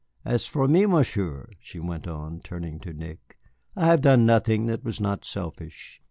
"As for me, Monsieur," she went on, turning to Nick, "I have done nothing that was not selfish.